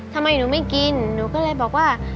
ทำไมหนูไม่กินหนูก็เลยบอกว่า